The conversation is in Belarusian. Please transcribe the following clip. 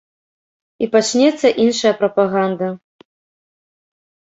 І пачнецца іншая прапаганда.